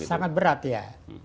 sangat berat ya